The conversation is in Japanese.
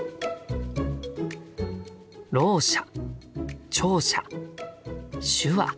「ろう者」「聴者」「手話」。